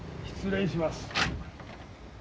失礼します。